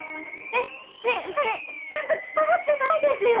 えっねえそれちゃんと伝わってないですよ！